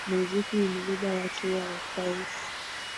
muziki imebeba watu wadhaifu